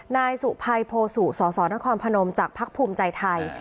นายสุภัยโพสุสสนครพนมจากภักดิ์ภูมิใจไทย